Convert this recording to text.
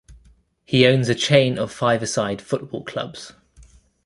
He owns a chain of five-a-side football clubs.